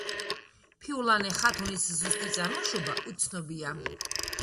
ფიულანე ხათუნის ზუსტი წარმოშობა უცნობია.